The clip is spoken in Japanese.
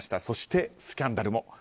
そして、スキャンダルも。